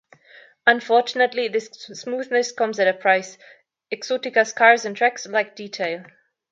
Unfortunately, this smoothness comes at a price - Exotica's cars and tracks lack detail.